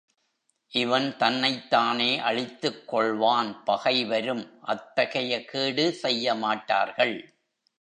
இவன் தன்னைத்தானே அழித்துக்கொள்வான் பகை வரும் அத்தகைய கேடு செய்யமாட்டார்கள்.